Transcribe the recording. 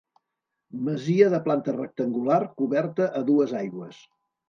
Masia de planta rectangular, coberta a dues aigües.